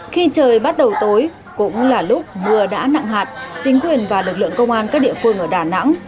khi trời bắt đầu tối cũng là lúc mưa đã nặng hạt chính quyền và lực lượng công an các địa phương ở đà nẵng